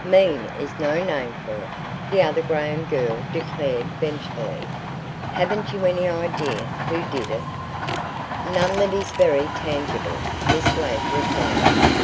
"Mean is no name for it," the other Graham girl declared vengefully. "Haven't you any idea who did it?" "None that is very tangible," Miss Ladd replied.